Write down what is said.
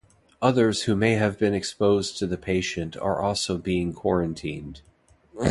Others who may have been exposed to the patient are also being quarantined.